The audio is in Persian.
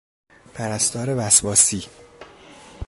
پرستار وسواسی